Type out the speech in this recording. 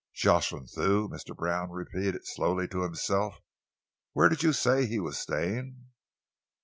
"Jocelyn Thew," Mr. Brown repeated slowly to himself. "Where did you say he was staying?"